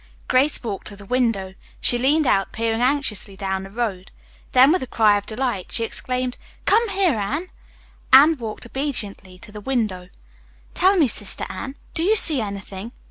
Grace walked to the window. She leaned out, peering anxiously down the road. Then, with a cry of delight, she exclaimed: "Come here, Anne." Anne walked obediently to the window. "'Tell me, Sister Anne, do you see anything?'"